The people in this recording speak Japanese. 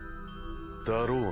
だろうな。